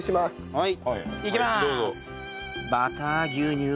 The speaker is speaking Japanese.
はい。